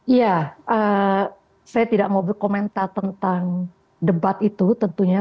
iya saya tidak mau berkomentar tentang debat itu tentunya